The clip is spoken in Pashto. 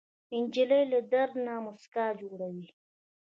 نجلۍ له درد نه موسکا جوړوي.